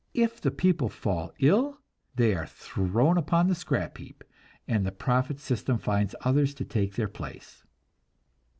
If the people fall ill, they are thrown upon the scrap heap, and the profit system finds others to take their place.